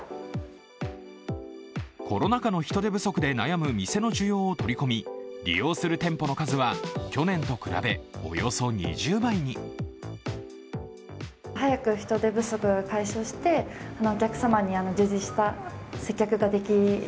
コロナ禍の人手不足で悩む店の需要を取り込み、利用する店舗の数は去年と比べおよそ２０杯に。